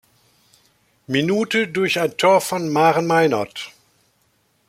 Minute durch ein Tor von Maren Meinert.